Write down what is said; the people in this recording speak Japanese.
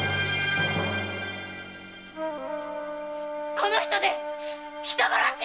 この人です！人殺し！